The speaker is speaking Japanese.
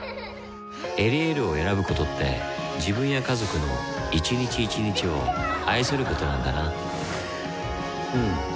「エリエール」を選ぶことって自分や家族の一日一日を愛することなんだなうん。